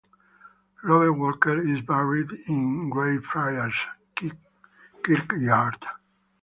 Robert Walker is buried in Greyfriars Kirkyard.